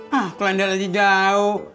hah klender aja jauh